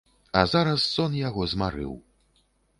А зараз сон яго змарыў.